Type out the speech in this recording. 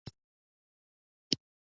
بې له لمر څخه ژوند نشته.